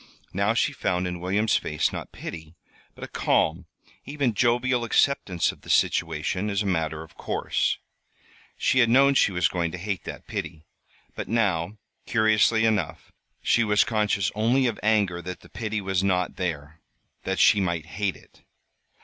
Now she found in William's face, not pity, but a calm, even jovial, acceptance of the situation as a matter of course. She had known she was going to hate that pity; but now, curiously enough, she was conscious only of anger that the pity was not there that she might hate it.